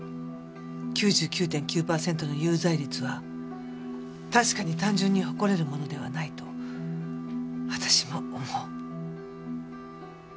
９９．９パーセントの有罪率は確かに単純に誇れるものではないと私も思う。